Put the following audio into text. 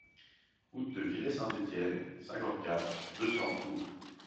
Route de Villey-Saint-Étienne, cinquante-quatre, deux cents Toul